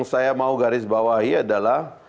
saya mau garis bawahi adalah